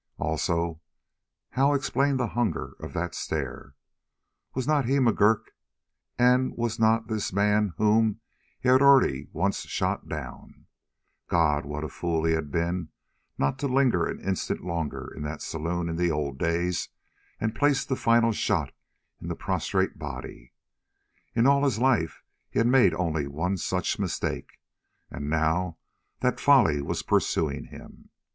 Also, how explain the hunger of that stare? Was not he McGurk, and was not this man whom he had already once shot down? God, what a fool he had been not to linger an instant longer in that saloon in the old days and place the final shot in the prostrate body! In all his life he had made only one such mistake, and now that folly was pursuing him.